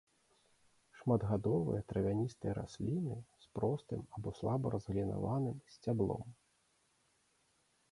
Шматгадовыя травяністыя расліны з простым або слаба разгалінаваным сцяблом.